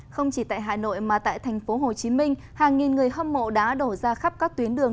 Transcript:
không chỉ tại hà nội mà tại thành phố hồ chí minh hàng nghìn người hâm mộ đã đổ ra khắp các tuyến đường